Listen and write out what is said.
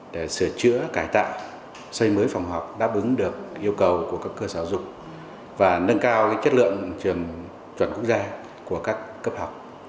để sửa chữa cải tạo xây mới phòng học đáp ứng được yêu cầu của các cơ sở dục và nâng cao chất lượng trường chuẩn quốc gia của các cấp học